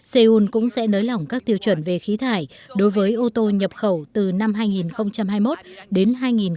seoul cũng sẽ nới lỏng các tiêu chuẩn về khí thải đối với ô tô nhập khẩu từ năm hai nghìn hai mươi một đến hai nghìn ba mươi